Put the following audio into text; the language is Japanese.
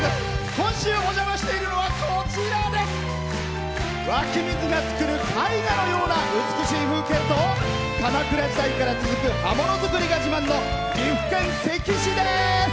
今週お邪魔しているのは湧き水が作る絵画のような美しい風景と鎌倉時代から続く刃物作りが自慢の岐阜県関市です。